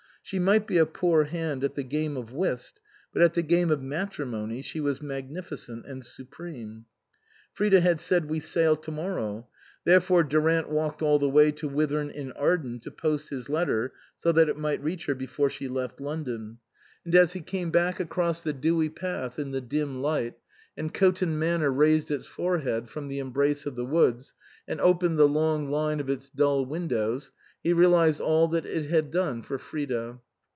She might be a poor hand at the game of whist, but at the game of matri mony she was magnificent and supreme. Frida had said, " We sail to morrow "; there fore, Durant walked all the way to Whithorn in Arden to post his letter, so that it might reach her before she left London. And as he came 138 INLAND back across the dewy path in the dim light, and Coton Manor raised its forehead from the em brace of the woods and opened the long line of its dull windows, he realized all that it had done for Frida.